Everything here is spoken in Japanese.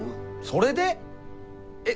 それで！？え？